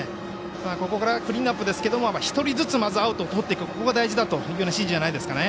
ここからクリーンアップですがまず、１つずつアウトをとっていくのが大事だという指示じゃないですかね。